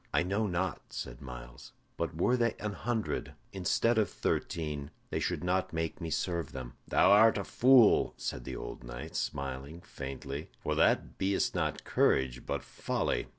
"I know not," said Myles; "but were they an hundred, instead of thirteen, they should not make me serve them." "Thou art a fool!" said the old knight, smiling faintly, "for that be'st not courage, but folly.